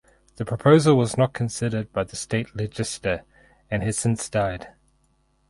The proposal was not considered by the state legislature and has since died.